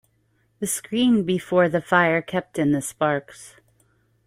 The screen before the fire kept in the sparks.